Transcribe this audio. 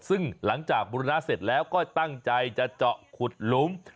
ซึ่งหลังจากบุรณะเสร็จแล้วก็ตั้งใจจะเจาะขุดหลุม